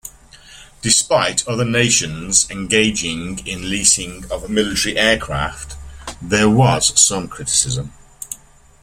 Despite other nations engaging in leasing of military aircraft, there was some criticism.